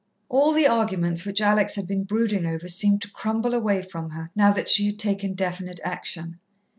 All the arguments which Alex had been brooding over seemed to crumble away from her now that she had taken definite action.